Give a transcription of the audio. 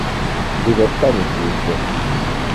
Вы застанете еще.